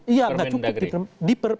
iya nggak cukup di permendakri